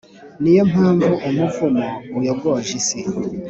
Ni yo mpamvu umuvumo uyogoje isi,